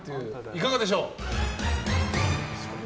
いかがでしょう？